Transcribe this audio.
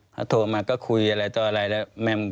เขาโทรมาก็คุยอะไรต่ออะไรแล้ว